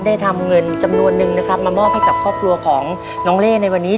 ทำเงินจำนวนนึงนะครับมามอบให้กับครอบครัวของน้องเล่ในวันนี้